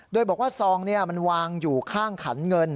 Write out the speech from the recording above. โดยบอกว่าซองมันวางอยู่ข้างขันเงิน